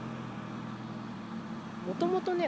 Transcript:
もともとね